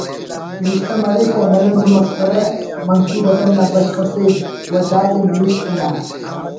نوشتہ مریک و ملنڈ و مسخرہ منثور ادب نا بشخ اسے و دادے نوشت نا